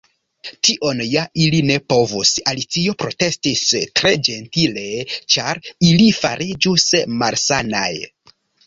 "Tion ja ili ne povus," Alicio protestis tre ĝentile, "ĉar ili fariĝus malsanaj."